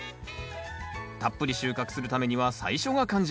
たっぷり収穫するためには最初が肝心。